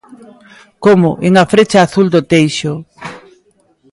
Como en "A frecha azul do teixo".